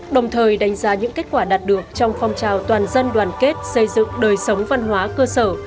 đồng thời đánh giá những kết quả đạt được trong phong trào toàn dân đoàn kết xây dựng đời sống văn hóa cơ sở